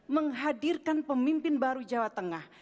menghadirkan pemimpin baru jawa tengah